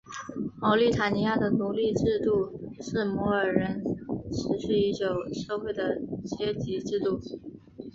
茅利塔尼亚的奴隶制度是摩尔人持续已久社会的阶级制度。